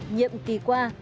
nhiệm kỳ qua